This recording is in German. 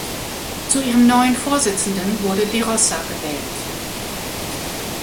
Zu ihrem neuen Vorsitzenden wurde de Rossa gewählt.